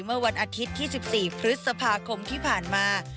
เมื่อวันอาทิตย์ที่๑๔พฤษภาคมที่ผ่านมา